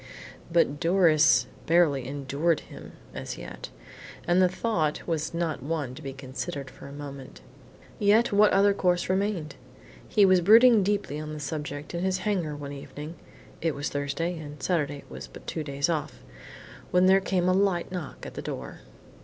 But Doris barely endured him as yet, and the thought was not one to be considered for a moment. Yet what other course remained? He was brooding deeply on the subject, in his hangar one evening (it was Thursday and Saturday was but two days off) when there came a light knock at the door.